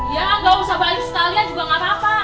ya ga usah balik sekali ya juga ga apa apa